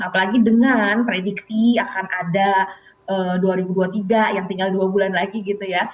apalagi dengan prediksi akan ada dua ribu dua puluh tiga yang tinggal dua bulan lagi gitu ya